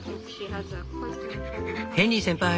「ヘンリー先輩。